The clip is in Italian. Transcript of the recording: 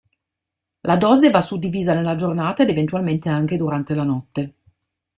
La dose va suddivisa nella giornata ed eventualmente anche durante la notte.